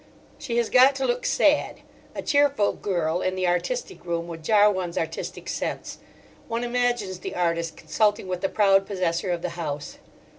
She has got to look sad; a cheerful girl in the artistic room would jar one's artistic sense. One imagines the artist consulting with the proud possessor of the house.